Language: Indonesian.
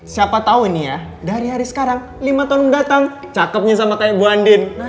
siapa tau nih ya dari hari sekarang lima tahun datang cakepnya sama kayak bu andin